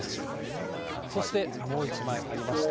そしてもう一枚ありまして。